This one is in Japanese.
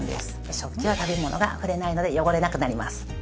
食器は食べ物が触れないので汚れなくなります。